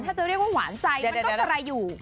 ถ้าจะเรียกว่าหวานใจมันก็อะไรอยู่